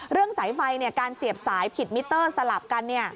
สายไฟการเสียบสายผิดมิเตอร์สลับกัน